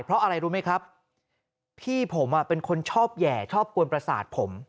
เพราะอะไรรู้ไหมครับพี่ผมเป็นคนชอบแห่ชอบกวนประสาทผม